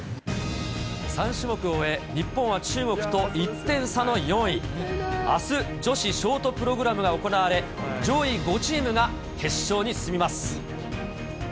３種目を終え、日本は中国と１点差の４位。あす、女子ショートプログラムが行われ、上位５チームが決勝に進みます。